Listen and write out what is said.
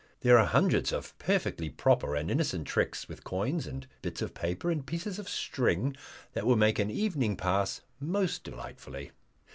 There are hundreds of perfectly proper and innocent tricks with coins and bits of paper, and pieces of string, that will make an evening pass most delightfully.